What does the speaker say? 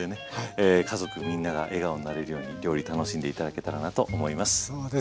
家族みんなが笑顔になれるように料理楽しんで頂けたらなと思います。